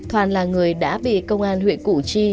thoàn là người đã bị công an huyện cụ chi